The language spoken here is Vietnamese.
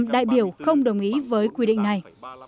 ba mươi bảy một mươi chín đại biểu không đồng ý với quy định này